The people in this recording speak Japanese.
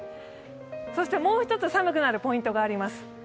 そしてもう１つ寒くなるポイントがあります。